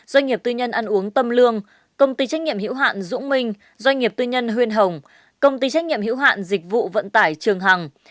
doanh nghiệp tư nhân ăn uống tâm lương công ty trách nhiệm hữu hạn dũng minh doanh nghiệp tư nhân huyền hồng công ty trách nhiệm hữu hạn dịch vụ vận tải trường hằng